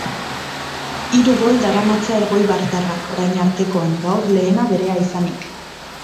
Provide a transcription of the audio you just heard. Hiru gol daramatza elgoibartarrak orain artekoan, gaur lehena berea izanik.